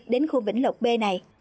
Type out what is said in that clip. đến khu vĩnh lộc b này